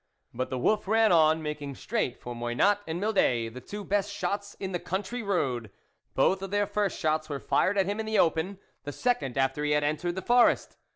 " But the wolf ran on, making straight for Moynat and Mildet, the two best shots in the country round. Both their first shots were fired at him in the open; the second, after he had entered the forest.